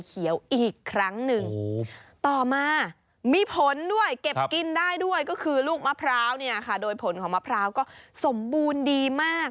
กินได้ด้วยก็คือลูกมะพร้าวเนี่ยค่ะโดยผลของมะพร้าวก็สมบูรณ์ดีมาก